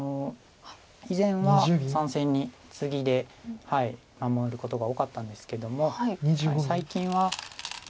以前は３線にツギで守ることが多かったんですけども最近は。